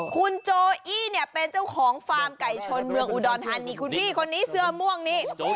คุณโจอี้เนี่ยเป็นเจ้าของฟาร์มไก่ชนเมืองอุดรธานีคุณพี่คนนี้เสื้อม่วงนี้